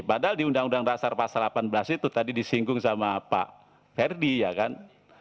padahal di undang undang dasar pasal delapan belas itu tadi disinggung sama pak ferdi ya kan